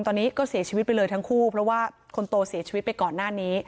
ตอนนี้ก็เสียชีวิตไปเลยทั้งคู่เพราะว่าคนโตเสียชีวิตไปก่อนหน้านี้